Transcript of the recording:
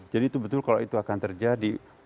jadi itu betul kalau itu akan terjadi